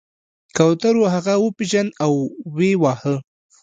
کوترو هغه وپیژند او ویې واهه.